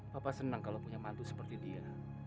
papa senang kalau punya mantu seperti dia